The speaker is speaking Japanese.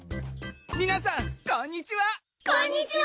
皆さんこんにちは。